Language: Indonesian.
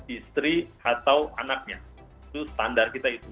istri atau anaknya itu standar kita itu